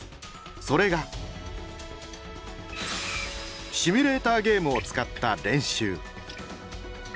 それがシミュレーターゲームを使った練習。